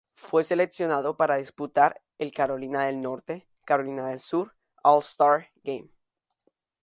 Fue seleccionado para disputar el Carolina del Norte-Carolina del Sur All-Star Game.